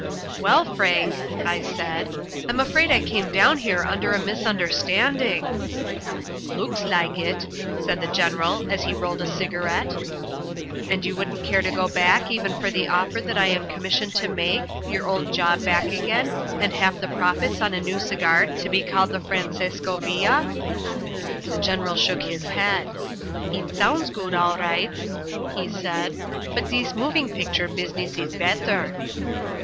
"Well, Frank," I said, "I'm afraid I came down here under a misunderstanding." "Looks like it," said the General, as he rolled a cigarette. "And you wouldn't care to go back even for the offer that I am commissioned to make your old job back again, and half the profits on a new cigar to be called the Francesco Villa?" The General shook his head. "It sounds good, all right," he said, "but this moving picture business is better."